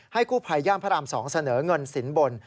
ให้คู่ภัยย่ามพระราม๒เสนอเงินศิลป์บน